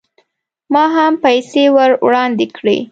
ما هم پیسې ور وړاندې کړې.